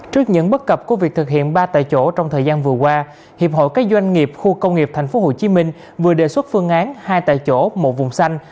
trước những bất cập của việc thực hiện ba tại chỗ trong thời gian vừa qua hiệp hội các doanh nghiệp khu công nghiệp tp hcm vừa đề xuất phương án hai tại chỗ một vùng xanh